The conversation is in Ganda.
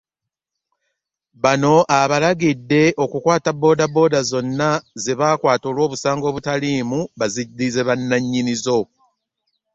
Bano, abalagidde okukwata boodabooda zonna ze baakwata olw'obusango obutaliimu baziddize bannannyinizo.